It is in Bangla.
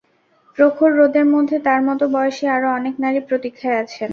প্রখর রোদের মধ্যে তাঁর মতো বয়সী আরও অনেক নারী প্রতীক্ষায় আছেন।